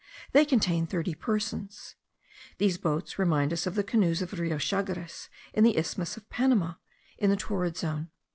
They contain thirty persons. These boats remind us of the canoes of the Rio Chagres in the isthmus of Panama, in the torrid zone.